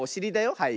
はい。